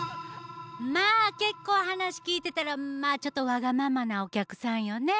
まあ結構話聞いてたらまあちょっとわがままなお客さんよね。